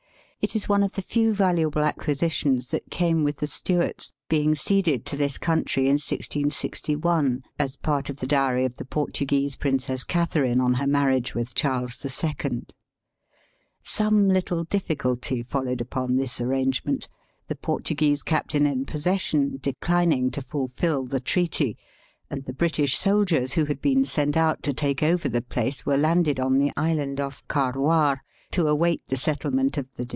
It is one of the few valuable acquisitions that came with the Stuarts, being ceded to this country in 1661 as part of the dowry of the Portuguese princess Catharine on her marriage with Charles II. Some little difficulty followed upon this arrangement, the Portuguese captain in posses sion declining to fulfil the treaty, and the Digitized by VjOOQIC 170 EAST BY WEST. \ British soldiers who had been sent out to take over the place were landed on the island \ off Carwar to await the settlement of the